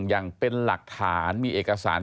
อย่างเป็นหลักฐานมีเอกสาร